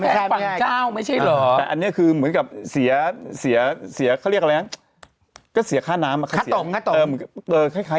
อ๋อไม่ได้บอกว่าให้เขาไปซื้อน้ำ